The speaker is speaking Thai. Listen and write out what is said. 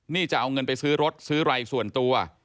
นี่จะเอาเงินไปซื้อรถซื้อไรส่วนตัว